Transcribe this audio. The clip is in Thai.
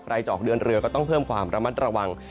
จะออกเดินเรือก็ต้องเพิ่มความระมัดระวัง